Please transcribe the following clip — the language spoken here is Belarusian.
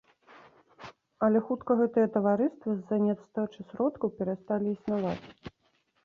Але хутка гэтыя таварыствы з-за нястачы сродкаў перасталі існаваць.